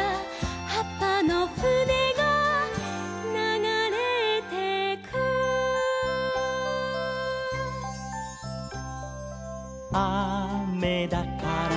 「はっぱのふねがながれてく」「あめだから」